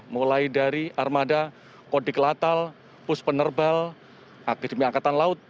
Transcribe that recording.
mulai dari armada kodiklatal pus penerbal akademi angkatan laut